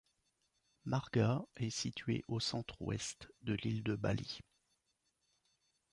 Marga est situé au centre ouest de l'île de Bali.